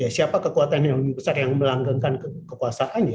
siapa kekuatan yang lebih besar yang melanggengkan kekuasaannya